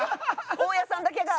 大家さんだけが。